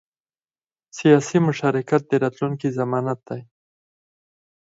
سیاسي مشارکت د راتلونکي ضمانت دی